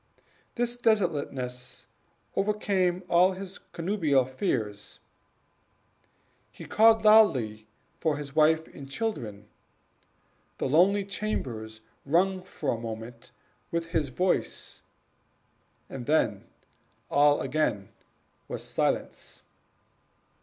This desolateness overcame all his connubial fears he called loudly for his wife and children the lonely chambers rang for a moment with his voice, and then again all was silence.